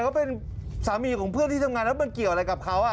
เขาเป็นสามีของเพื่อนที่ทำงานแล้วมันเกี่ยวอะไรกับเขา